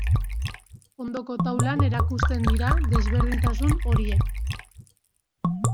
Ondoko taulan erakusten dira desberdintasun horiek.